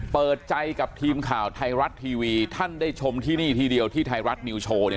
เปิดใจกับทีมข่าวไทยรัฐทีวี